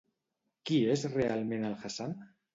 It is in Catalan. Qui és realment el Hassan?